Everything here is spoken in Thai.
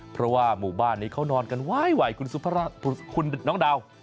เพราะว่าหมู่บ้านนี้เขานอนกันไหวคุณน้องดาว